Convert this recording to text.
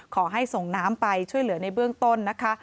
ขอให้ส่งน้ำไปช่วยเหลือในเบื้องต้นนะคะ